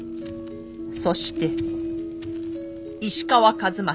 そして石川数正